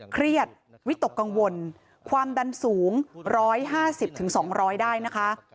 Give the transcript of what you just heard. เครียดวิตกกังวลความดันสูง๑๕๐๒๐๐ได้นะคะ